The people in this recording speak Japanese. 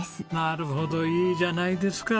なるほどいいじゃないですか！